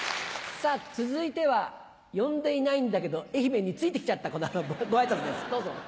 さぁ続いては呼んでいないんだけど愛媛についてきちゃったこの方のご挨拶ですどうぞ。